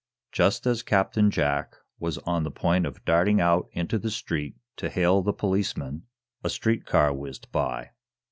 Just as Captain Jack was on the point of darting out into the street to hail the policeman a street car whizzed by.